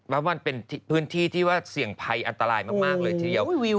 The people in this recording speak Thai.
เป็นพื้นที่ที่เสี่ยงภัยอันตรายมากเลยทีเดียว